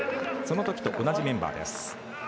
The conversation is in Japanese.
そのときと同じメンバーです。